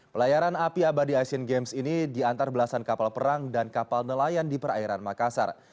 pelayaran api abadi asian games ini diantar belasan kapal perang dan kapal nelayan di perairan makassar